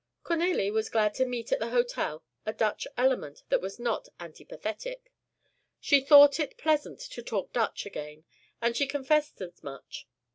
Cornélie was glad to meet at the hotel a Dutch element that was not antipathetic. She thought it pleasant to talk Dutch again and she confessed as much.